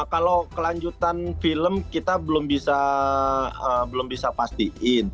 kalau kelanjutan film kita belum bisa pastiin